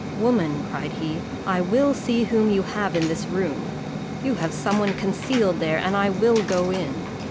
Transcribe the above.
"Woman!" cried he, "I will see whom you have in this room! You have some one concealed there, and I will go in."